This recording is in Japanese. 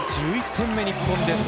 １１点目、日本です。